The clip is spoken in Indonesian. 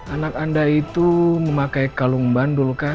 anak anda itu memakai kalung bandul kan